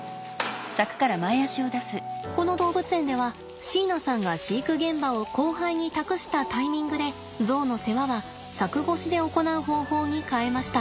この動物園では椎名さんが飼育現場を後輩に託したタイミングでゾウの世話は柵越しで行う方法に変えました。